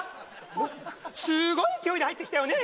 えっすごい勢いで入ってきたよね？